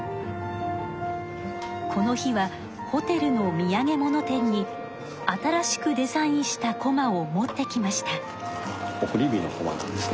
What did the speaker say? この日はホテルのみやげもの店に新しくデザインしたこまを持ってきました。